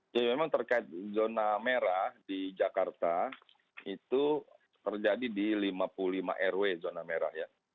ya memang terkait zona merah di jakarta itu terjadi di lima puluh lima rw zona merah ya